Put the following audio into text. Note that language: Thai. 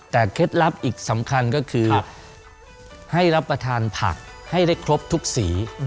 แต่เคล็ดลับอีกสำคัญก็คือให้รับประทานผักให้ได้ครบทุกสี